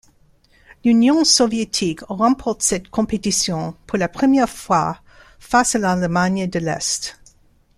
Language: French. L'Union Soviétique remporte cette compétition pour la première fois face à l'Allemagne de l'Est.